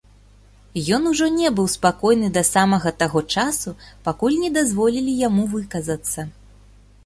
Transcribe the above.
Ён ужо не быў спакойны да самага таго часу, пакуль не дазволілі яму выказацца.